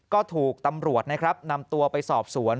ก็ถูกตำรวจนะครับนำตัวไปสอบสวน